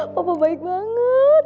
papa baik banget